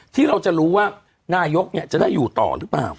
ที่เราจะรู้ว่านายกจะได้อยู่ต่อหรือเปล่า